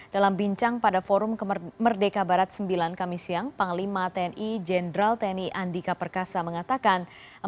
dalam bincang pada forum merdeka barat sembilan kami siang panglima tni jenderal tni andika perkasa mengatakan